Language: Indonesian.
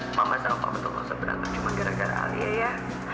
mama sampa betul betul sederhana cuma gara gara alia ya